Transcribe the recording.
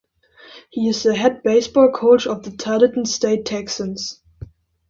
He is the head baseball coach of the Tarleton State Texans.